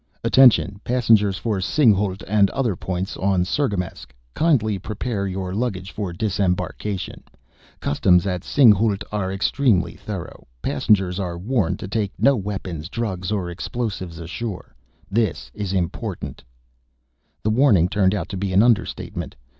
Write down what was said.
"Attention passengers for Singhalût and other points on Cirgamesç! Kindly prepare your luggage for disembarkation. Customs at Singhalût are extremely thorough. Passengers are warned to take no weapons, drugs or explosives ashore. This is important!" The warning turned out to be an understatement.